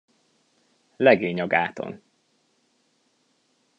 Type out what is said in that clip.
Legény a gáton.